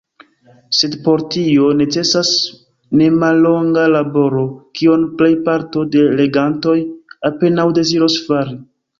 Sed por tio necesas nemallonga laboro, kion plejparto de legantoj apenaŭ deziros fari.